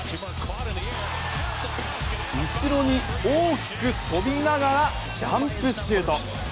後ろに大きく飛びながら、ジャンプシュート。